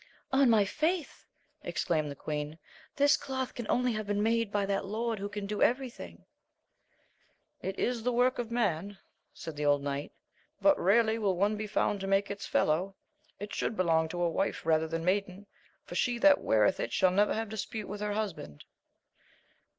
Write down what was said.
On my faith, exclaimed the queen, this cloth can only have been made by that Lord who can do everything. It is the work of man, said the old knight, but rarely will one be found to make its fellow : it should belong to wife rather than maiden, for she that weareth it shall never have dispute with her hus band.